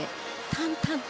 淡々と。